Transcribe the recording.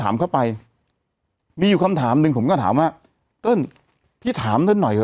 เข้าไปมีอยู่คำถามหนึ่งผมก็ถามว่าเติ้ลพี่ถามท่านหน่อยเห